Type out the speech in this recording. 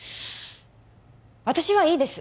私はいいです